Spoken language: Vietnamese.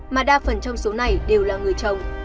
mà đa phần trong số này đều là người chồng